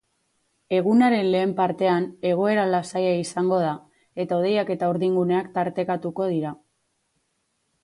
Egunaren lehen partean egoera lasaia izango da eta hodeiak eta urdinguneak tartekatuko dira.